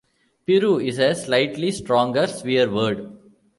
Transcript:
"Piru" is a slightly stronger swear word.